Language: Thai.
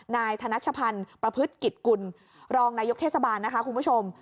นายธนัชพันธ์ประพฤติกิจกุลรองนายกเทศบาลนะคะคุณผู้ชม